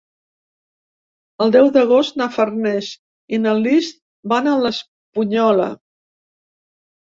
El deu d'agost na Farners i na Lis van a l'Espunyola.